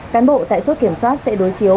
cán bộ tại chốt kiểm soát sẽ đối chiếu